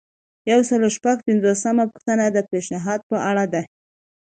یو سل او شپږ پنځوسمه پوښتنه د پیشنهاد په اړه ده.